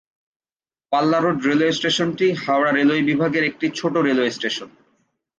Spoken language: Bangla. পাল্লা রোড রেলওয়ে স্টেশনটি হাওড়া রেলওয়ে বিভাগের একটি ছোট রেলওয়ে স্টেশন।